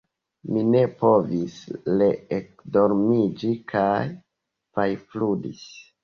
Mi ne povis reekdormiĝi kaj fajfludis.